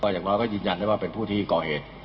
อย่างน้อยก็ยืนยันได้ว่าเป็นผู้ที่ก่อเหตุ